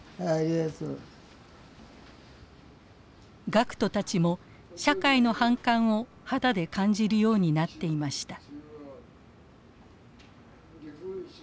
学徒たちも社会の反感を肌で感じるようになっていました。